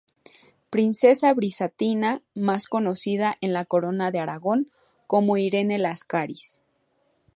Princesa bizantina más conocida en la Corona de Aragón como 'Irene' Láscaris.